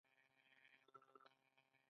آیا کاناډا د کښتیو جوړولو صنعت نلري؟